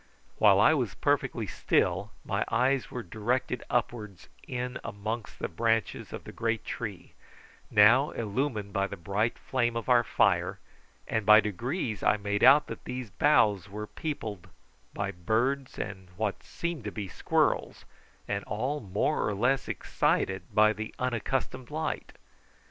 While I was perfectly still my eyes were directed upwards in amongst the branches of the great tree, now illumined by the bright flame of our fire, and by degrees I made out that these boughs were peopled by birds and what seemed to be squirrels, and all more or less excited by the unaccustomed light.